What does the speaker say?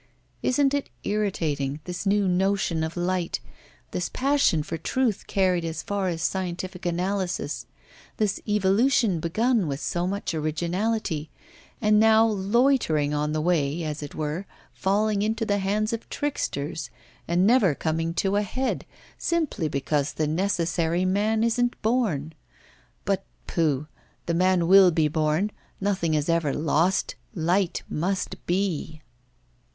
Isn't it irritating, this new notion of light, this passion for truth carried as far as scientific analysis, this evolution begun with so much originality, and now loitering on the way, as it were, falling into the hands of tricksters, and never coming to a head, simply because the necessary man isn't born? But pooh! the man will be born; nothing is ever lost, light must be.